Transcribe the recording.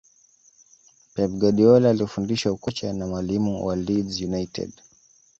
pep guardiola alifundishwa ukocha na mwalimu wa leeds united